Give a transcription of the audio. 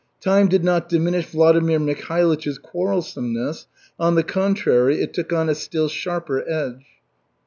Time did not diminish Vladimir Mikhailych's quarrelsomeness; on the contrary, it took on a still sharper edge.